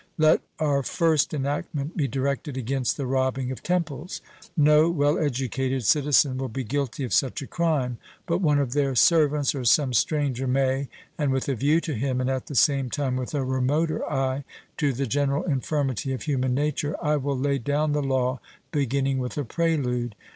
Let our first enactment be directed against the robbing of temples. No well educated citizen will be guilty of such a crime, but one of their servants, or some stranger, may, and with a view to him, and at the same time with a remoter eye to the general infirmity of human nature, I will lay down the law, beginning with a prelude.